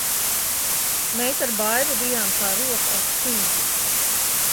Mēs ar Baibu bijām kā roka ar cimdu.